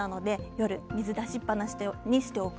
夜、水を出しっぱなしにしておく。